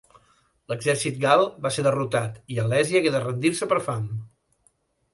L'exèrcit gal va ser derrotat i Alèsia hagué de rendir-se per fam.